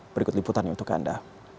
berikut liputannya untuk anda